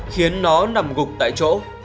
khiến nó nằm gục tại chỗ